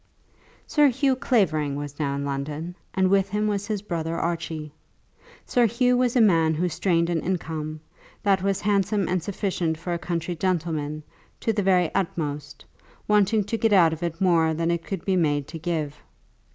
Sir Hugh Clavering was now up in London, and with him was his brother Archie. Sir Hugh was a man who strained an income, that was handsome and sufficient for a country gentleman, to the very utmost, wanting to get out of it more than it could be made to give.